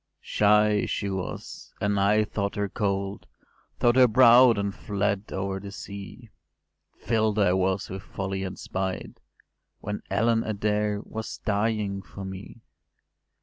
“Shy she was, and I thought her cold; Thought her proud, and fled over the sea; Fill’d I was with folly and spite, When Ellen Adair was dying for me.